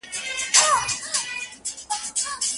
ډیري وژړېدې بوري د زلمیانو پر جنډیو